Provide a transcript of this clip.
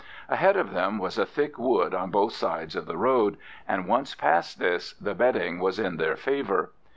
Ahead of them was a thick wood on both sides of the road, and once past this the betting was in their favour.